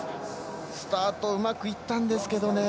スタートうまくいったんですけどね。